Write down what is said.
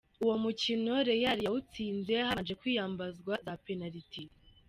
Uwo mu kino Real yawutsinze habanje kwiyambazwa za penality.